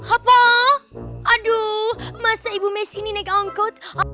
apa aduh masa ibu mes ini naik angkot